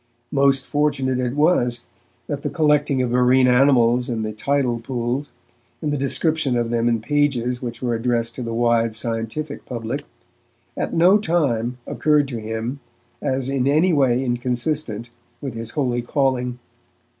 Most fortunate it was, that the collecting of marine animals in the tidal pools, and the description of them in pages which were addressed to the wide scientific public, at no time occurred to him as in any way inconsistent with his holy calling.